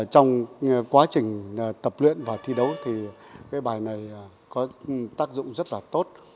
trong quá trình tập luyện và thi đấu thì cái bài này có tác dụng rất là tốt